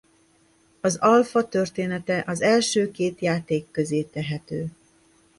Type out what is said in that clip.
Az Alpha története az első két játék közé tehető.